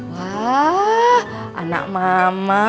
wah anak mama